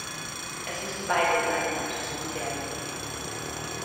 Es müssen beide Seiten untersucht werden.